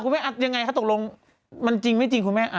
อย่างไรครับตรงลงมันจริงไม่จริงคุณแม่